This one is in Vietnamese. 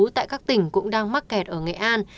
tại các tỉnh cũng đang mắc kẹt ở nghệ an